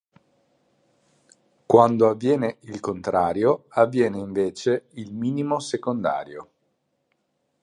Quando avviene il contrario avviene invece il minimo secondario.